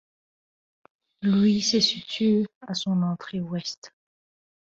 Louis se situe à son entrée ouest.